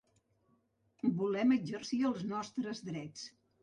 Volem exercir els nostres drets.